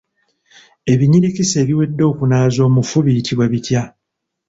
Ebinyirikisi ebiwedde okunaaza omufu biyitibwa bitya?